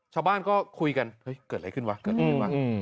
ชาวบ้านก็คุยกันเฮ้ยเกิดอะไรขึ้นวะเกิดอะไรขึ้นวะ